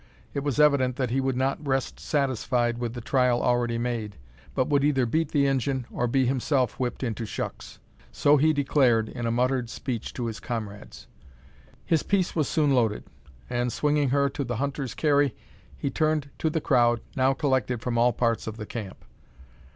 It was evident that he would not rest satisfied with the trial already made, but would either beat the "Injun," or be himself "whipped into shucks." So he declared in a muttered speech to his comrades. His piece was soon loaded; and, swinging her to the hunter's carry, he turned to the crowd, now collected from all parts of the camp.